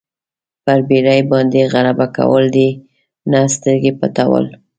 پر بېرې باندې غلبه کول دي نه سترګې پټول.